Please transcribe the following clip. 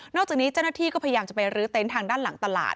จากนี้เจ้าหน้าที่ก็พยายามจะไปรื้อเต็นต์ทางด้านหลังตลาด